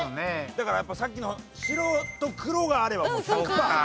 だからやっぱりさっきの「白」と「黒」があればもう１００パー。